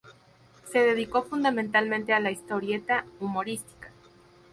Se dedicó fundamentalmente a la historieta humorística.